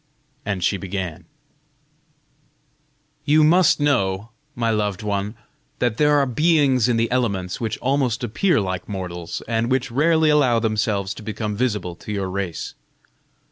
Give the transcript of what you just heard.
And she began: "You must know, my loved one, that there are beings in the elements which almost appear like mortals, and which rarely allow themselves to become visible to your race.